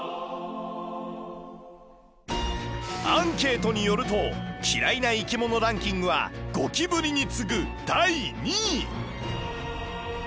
アンケートによると嫌いな生き物ランキングはゴキブリに次ぐ第２位！